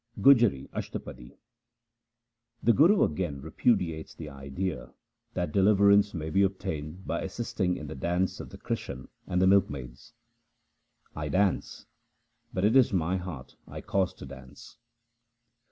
GUJARI ASHTAPADI The Guru again repudiates the idea that deliver ance may be obtained by assisting in the dance of Krishan and the milkmaids :— I dance, but it is my heart I cause to dance : 1 Panch bhu atmdn.